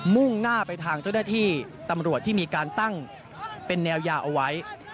มุ่งหน้าไปทางเจ้าหน้าที่ตำรวจที่มีการตั้งเป็นแนวยาวเอาไว้